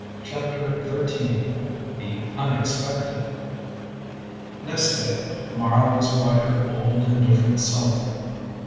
CHAPTER XIII THE UNEXPECTED Next day Mara was quite her old indifferent self.